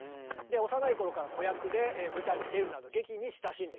で幼い頃から子役で舞台に出るなど劇に親しんでいたと。